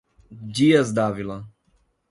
Dias d'Ávila